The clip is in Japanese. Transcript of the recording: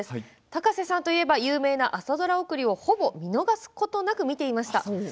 高瀬さんと言えば有名な朝ドラ送りをほぼ見逃すことなく見ていました。